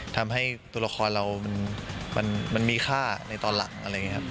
ทำให้ตัวละครเรามันมีค่าในตอนหลังอะไรอย่างนี้ครับ